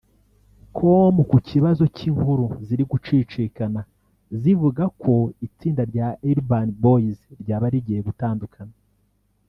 Com ku kibazo cy’inkuru ziri gucicikana zivuga ko itsinda rya Urban Boys ryaba rigiye gutandukana